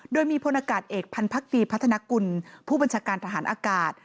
โดยมีพลอากาศเอกพันธ์ดีพัฒนากุลผู้บัญชาการทหารอากาศ